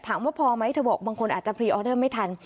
ถามว่าพอไหมเธอบอกบางคนอาจจะพรีออเดอร์ไม่ทัน